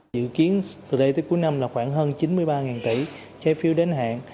dự kiến từ đây tới cuối năm là khoảng hơn chín mươi ba tỷ trái phiếu đến hạn